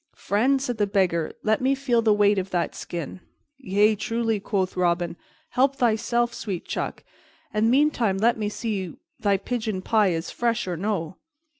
"Friend," said the Beggar, "let me feel the weight of that skin. "Yea, truly," quoth Robin, "help thyself, sweet chuck, and meantime let me see whether thy pigeon pie is fresh or no."